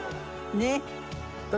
ねっ。